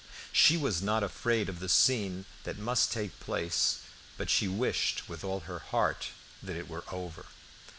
She was not afraid of the scene that must take place, but she wished with all her heart that it were over.